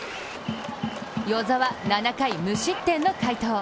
與座は７回無失点の快投。